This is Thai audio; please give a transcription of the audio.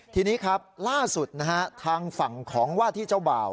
ทีนี้ครับล่าสุดนะฮะทางฝั่งของว่าที่เจ้าบ่าว